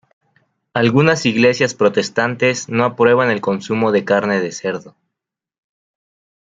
Algunas iglesias protestantes no aprueban el consumo de carne de cerdo.